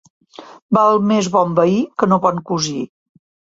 Val més bon veí que no bon cosí.